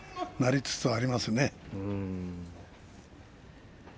なりつつありますよね。